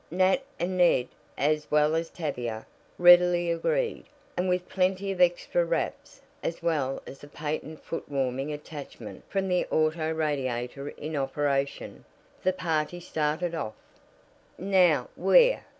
Nat and Ned, as well as Tavia, readily agreed, and with plenty of extra wraps, as well as the patent foot warming attachment from the auto radiator in operation, the party started off. "Now, where?"